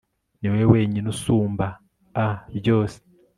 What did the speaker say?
ni wowe wenyine usumba-a byose